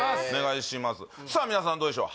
さあ皆さんどうでしょう？